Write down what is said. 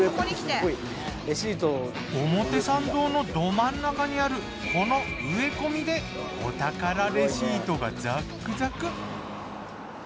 表参道のど真ん中にあるこの植え込みでお宝レシートがザックザク！